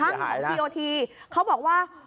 ขายทีโอทีเขาบอกว่า